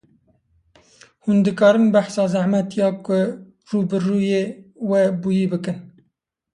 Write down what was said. Hûn dikarin behsa zehmetya ku rûbirûyê we bûyî bikin?